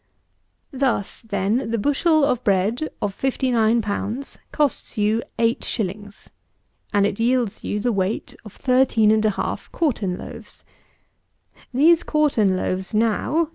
Thus, then, the bushel of bread of fifty nine pounds costs you eight shillings; and it yields you the weight of thirteen and a half quartern loaves: these quartern loaves now (Dec.